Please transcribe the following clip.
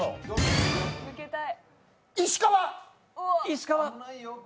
石川。